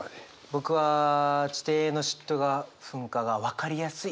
僕は「地底の嫉妬が噴火」が分かりやすい。